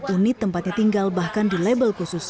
unit tempatnya tinggal bahkan dilebel khusus